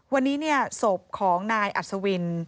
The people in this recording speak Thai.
วันนี้ศพของนายอัศวิน